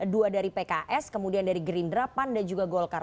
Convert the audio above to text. dua dari pks kemudian dari gerindra pan dan juga golkar